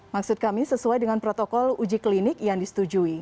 maksud kami sesuai dengan protokol uji klinik yang disetujui